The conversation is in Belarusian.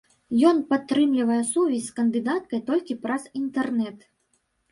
Ён падтрымлівае сувязь з кандыдаткай толькі праз інтэрнэт.